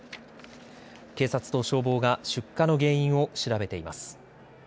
警察と消防が出火の原因を調べています。